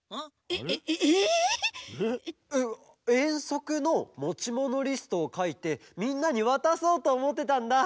えっえんそくのもちものリストをかいてみんなにわたそうとおもってたんだ。